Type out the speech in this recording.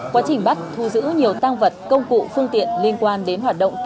quá trình bắt thu giữ nhiều tang vật công cụ phương tiện liên quan đến hoạt động đánh bạc